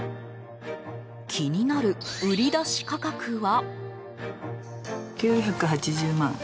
気になる売り出し価格は？